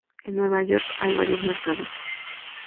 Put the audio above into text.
En Nueva York, hay varios mercados.